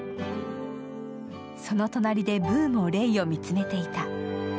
その隣でブーもレイを見つめていた。